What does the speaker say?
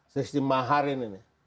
sistem mahar ini nih